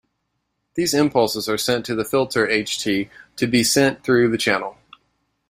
These impulses are sent to the filter ht to be sent through the channel.